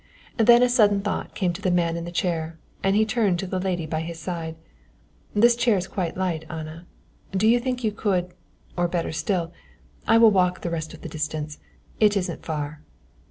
Then a sudden thought came to the man in the chair and he turned to the lady by his side. "This chair is quite light, Anna; do you think you could or better still, I will walk the rest of the distance, it isn't far."